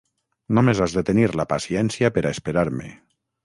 Només has de tenir la paciència per a esperar-me.